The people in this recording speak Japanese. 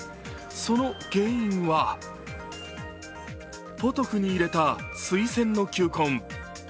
その原因はポトフに入れたスイセンの球根。